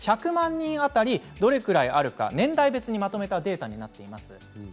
１００万人当たりどれくらいあるのか年代別にまとめたデータになっています。